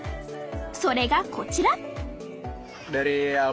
それがこちら！